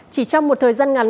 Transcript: chỉ trong một thời gian ngắn